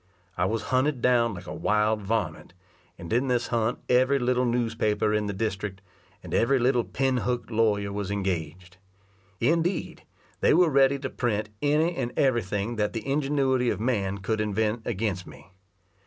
I was hunted down like a wild varment, and in this hunt every little newspaper in the district, and every little pin hook lawyer was engaged. Indeed, they were ready to print any and every thing that the ingenuity of man could invent against me.